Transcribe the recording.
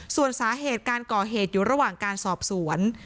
ส่วนสาเหตุการก่อเหตุอยู่ระหว่างการสอบสวน